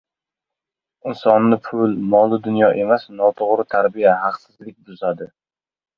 Insonni pul, mol-dunyo emas, noto‘g‘ri tarbiya, haqsizlik buzadi.